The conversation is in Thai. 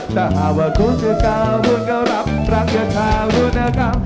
แต่หากว่าคุณจะกะวุ่นก็รับรักเพื่อจะรู้นะครับ